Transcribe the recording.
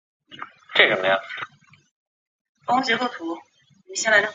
可升级成麟师。